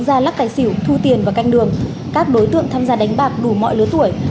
các tài xỉu thu tiền và canh đường các đối tượng tham gia đánh bạc đủ mọi lứa tuổi